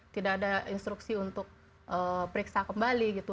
tidak ada instruksi untuk periksa kembali gitu